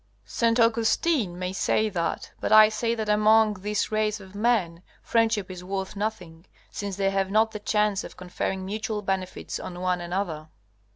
St. Augustine may say that, but I say that among this race of men, friendship is worth nothing, since they have not the chance of conferring mutual benefits on one another.